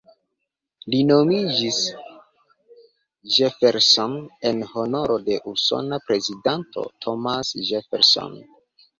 Li nomiĝis "Jefferson" en honoro de usona prezidanto, Thomas Jefferson.